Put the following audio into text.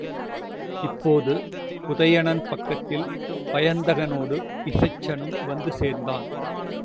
இப்போது உதயணன் பக்கத்தில் வயந்தகனோடு இசைச்சனும் வந்து சேர்ந்தான்.